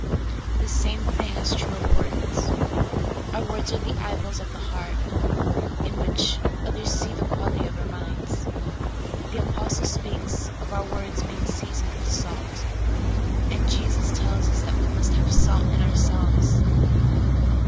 This same thing is true of words. Our words are the eye balls of the heart, in which others see the quality of our minds. The apostle speaks of '' our words being seasoned with salt ;'' and Jesus tells us that we must " have salt in ourselves."